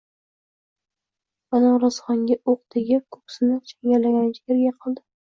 Banorasxonga o’q tegib, ko’ksini changallaganicha yerga yiqildi.